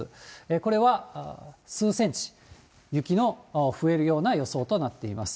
これは数センチ、雪の増えるような予想となっています。